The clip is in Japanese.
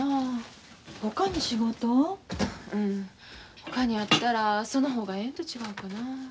ほかにあったらその方がええんと違うかな。